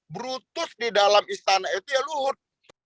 brutus di dalam istana itu ya luhut